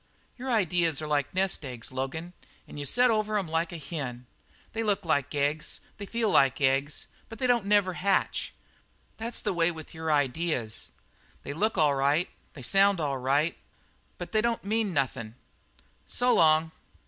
"Your ideas are like nest eggs, Logan, an' you set over 'em like a hen. They look like eggs; they feel like eggs; but they don't never hatch. That's the way with your ideas. They look all right; they sound all right; but they don't mean nothin'. So long."